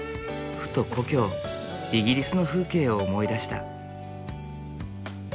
ふと故郷イギリスの風景を思い出した。